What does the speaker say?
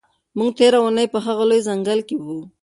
موږ تېره اونۍ په هغه لوی ځنګل کې وو.